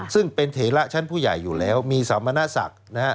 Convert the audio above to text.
ซึ่งเป็นเถระชั้นผู้ใหญ่อยู่แล้วมีสามณศักดิ์